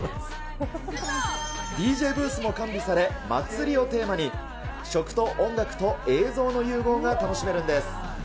ＤＪブースも完備され、祭りをテーマに、食と音楽と映像の融合が楽しめるんです。